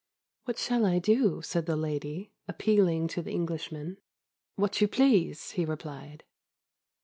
"What shall I do?" said the lady, appealing to the Englishman. "What you please," he replied.